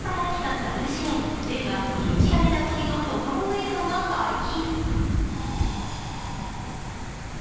ダブル主演、映画「禁じられた遊び」の特報映像が解禁。